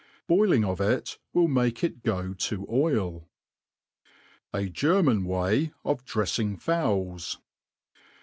Boiling of it will make it go xo oil. ;^ A German way of drejjing Fowls.